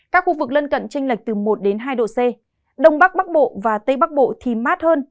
các khu vực lân cận tranh lệch từ một đến hai độ c đông bắc bắc bộ và tây bắc bộ thì mát hơn